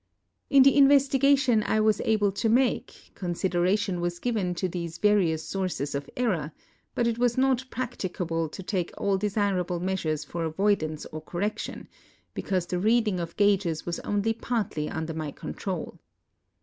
In the investigation I was able to make, consideration was given to these various sources of error, but it was not practicable to take all desirable measures for avoidance or correction, because the reading of gages was only partly under my control.